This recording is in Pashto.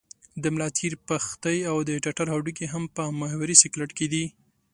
د ملا تیر، پښتۍ او د ټټر هډوکي هم په محوري سکلېټ کې دي.